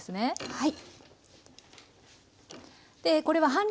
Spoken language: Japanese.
はい。